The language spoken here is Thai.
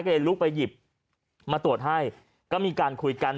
ก็เลยลุกไปหยิบมาตรวจให้ก็มีการคุยกัน